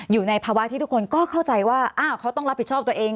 อยู่ในภาวะที่ทุกคนก็เข้าใจว่าอ้าวเขาต้องรับผิดชอบตัวเอง